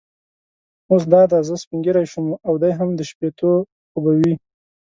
اوس دا دی زه سپینږیری شوم او دی هم د شپېتو خو به وي.